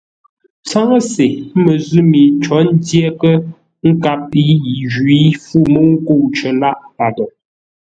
Tsáŋə́se məzʉ̂ mi có ndyəghʼə́ nkâp yi jwǐ fû mə́u ńkə̂u cər lâʼ paghʼə.